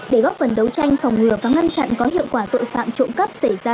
để góp phần đấu tranh phòng ngừa và ngăn chặn có hiệu quả tội phạm trộm cắp xảy ra